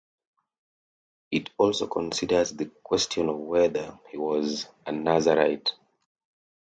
It also considers the question of whether he was a Nazirite.